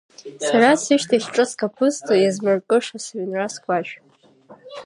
Сара сышьҭахь ҿыцк аԥызҵо, иазмыркыша сыҩнра, сгәашә…